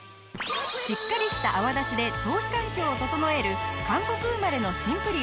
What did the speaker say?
しっかりした泡立ちで頭皮環境を整える韓国生まれのシンプリオ。